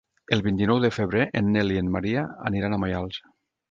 El vint-i-nou de febrer en Nel i en Maria aniran a Maials.